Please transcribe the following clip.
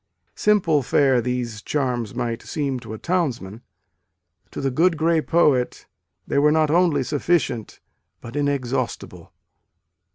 Simple fare, these charms might seem to a townsman : to the "good grey poet" they were not only sufficient but inex haustible.